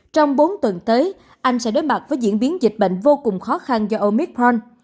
trong bốn tuần tới anh sẽ đối mặt với diễn biến dịch bệnh vô cùng khó khăn do omithon